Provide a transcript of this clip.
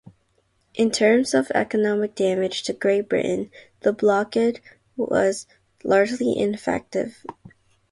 In terms of economic damage to Great Britain, the blockade was largely ineffective.